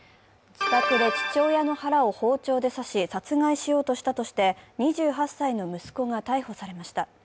自宅で父親の腹を包丁で刺し、殺害しようとしたとして２８歳の息子が逮捕されました。